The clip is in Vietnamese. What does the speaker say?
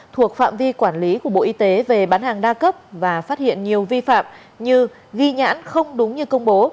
thuộc phạm vi quản lý của bộ y tế về bán hàng đa cấp và phát hiện nhiều vi phạm như ghi nhãn không đúng như công bố